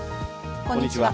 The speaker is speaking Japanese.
こんにちは。